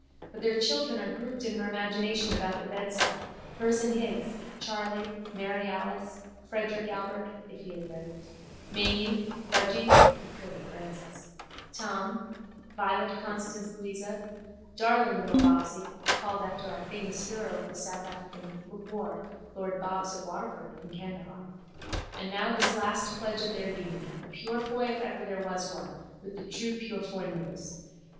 But their children are grouped in her imagination about the bedside, hers and his, Charley, Mary Alice, Frederick Albert (if he had lived), Mamy, Budgy (Victoria Frances), Tom, Violet Constance Louisa, darling little Bobsy (called after our famous hero of the South African war, lord Bobs of Waterford and Candahar) and now this last pledge of their union, a Purefoy if ever there was one, with the true Purefoy nose.